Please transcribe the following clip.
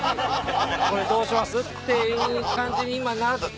「どうします？」っていう感じに今なって。